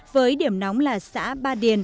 với điểm nóng là xã ba điền